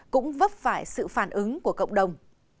cũng vấp phải sự phản ứng của cộng đồng